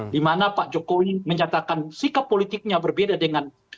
di mana pak jokowi menyatakan sikap politiknya berbeda dengan